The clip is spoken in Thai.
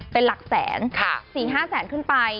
เป็นหลักแสน๔๕แสนขึ้นไป